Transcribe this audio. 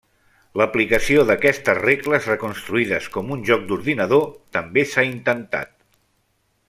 L'aplicació d'aquestes regles reconstruïdes com un joc d'ordinador també s'ha intentat.